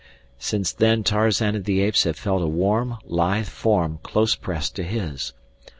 Since then Tarzan of the Apes had felt a warm, lithe form close pressed to his.